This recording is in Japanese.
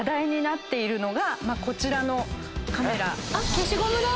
消しゴムだ！